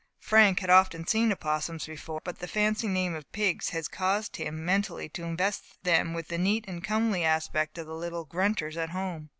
Frank had often seen opossums before, but the fancy name of pigs had caused him mentally to invest them with the neat and comely aspect of the little grunters at home.